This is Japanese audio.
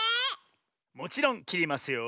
もちろんきりますよ。